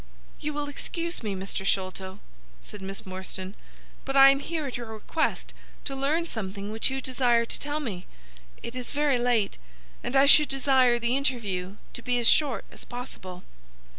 "You will excuse me, Mr. Sholto," said Miss Morstan, "but I am here at your request to learn something which you desire to tell me. It is very late, and I should desire the interview to be as short as possible."